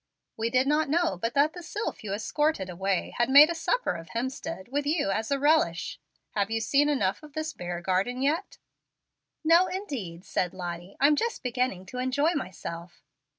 "We did not know but that the sylph you escorted away had made a supper of Hemstead, with you as a relish. Have you seen enough of this bear garden yet?" "No, indeed," said Lottie; "I'm just beginning to enjoy myself."